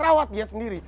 rawat dia sendiri